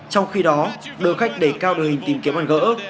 trong khi đó đưa khách để cao đường hình tìm kiếm bàn gỡ